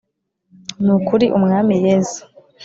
Ni ukuri umwami yesu